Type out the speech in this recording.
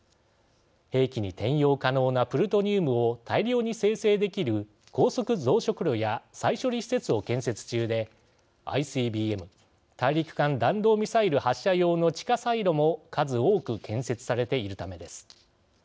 兵器に転用可能なプルトニウムを大量に生成できる高速増殖炉や再処理施設を建設中でＩＣＢＭ＝大陸間弾道ミサイル発射用の地下サイロも数多く建設されているためです。